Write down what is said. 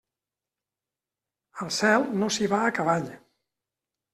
Al cel no s'hi va a cavall.